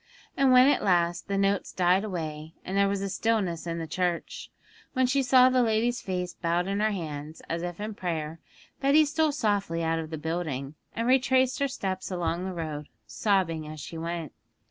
And when at last the notes died away, and there was stillness in the church, when she saw the lady's face bowed in her hands, as if in prayer, Betty stole softly out of the building, and retraced her steps along the road, sobbing as she went.